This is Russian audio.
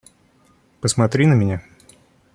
Посмотри на меня.